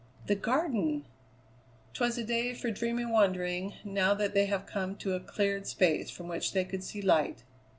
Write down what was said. "The Garden!" 'Twas a day for dreamy wandering, now that they had come to a cleared space from which they could see light.